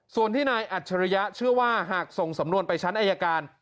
ส่วนที่นายอัจฉริยะเชื่อว่าหากส่งสำนวนไปชั้นอายการ